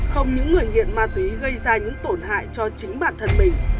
không những người nghiện ma túy gây ra những tổn hại cho chính bản thân mình